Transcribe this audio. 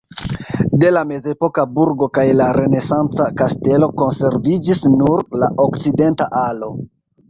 De la mezepoka burgo kaj la renesanca kastelo konserviĝis nur la okcidenta alo.